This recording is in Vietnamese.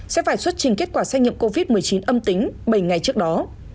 sẽ phải xuất trình kết quả xét nghiệm covid một mươi chín âm tính bảy ngày trước đó